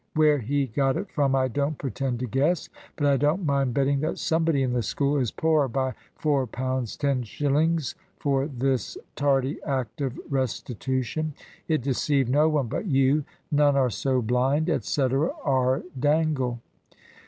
Where he got it from I don't pretend to guess; but I don't mind betting that somebody in the School is poorer by £4 10 shillings for this tardy act of restitution. It deceived no one but you. `None are so blind,' etcetera. "R. Dangle."